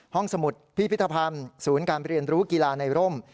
สมุดพิพิธภัณฑ์ศูนย์การเรียนรู้กีฬาในร่ม